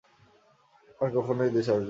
আর কখনো এই দেশে আসবি না।